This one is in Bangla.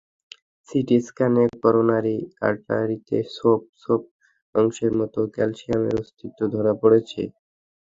সিটি স্ক্যানে করোনারি আর্টারিতে ছোপ ছোপ অংশের মতো ক্যালসিয়ামের অস্তিত্ব ধরা পড়ে।